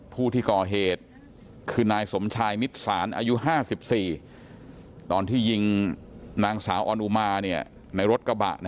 ผู้ที่ก่อเหตุคือนายสมชายมิตรศาลอายุ๕๔ตอนที่ยิงนางสาวออนอุมาในรถกระบะ